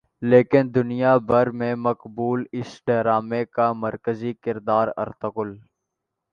لیکن دنیا بھر میں مقبول اس ڈارمے کا مرکزی کردار ارطغرل